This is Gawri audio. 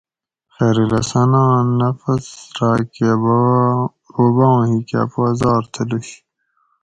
خیرالحسناں نفس راکہ بوباں ھیکا پا زھر تلوش